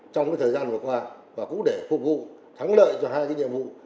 trong thời gian vừa qua và cũng để phục vụ thắng lợi cho hai nhiệm vụ